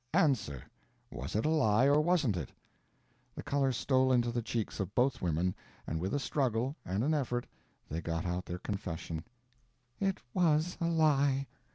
Answer. Was it a lie, or wasn't it?" The color stole into the cheeks of both women, and with a struggle and an effort they got out their confession: "It was a lie."